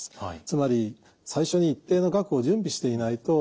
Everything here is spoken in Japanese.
つまり最初に一定の額を準備していないと始まらない。